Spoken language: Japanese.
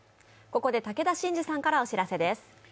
ここで武田真治さんからお知らせです。